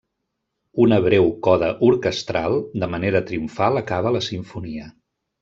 Una breu coda orquestral de manera triomfal acaba la simfonia.